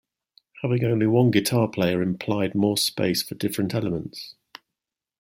Having only one guitar player implied more space for different elements.